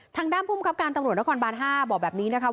ทางด้านภูมิครับการตำรวจนครบาน๕บอกแบบนี้นะคะ